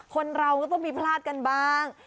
คนเราก็ต้องมีพลาดกันบ้าง